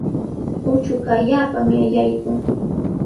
Uchuqa allaapami ayaykun.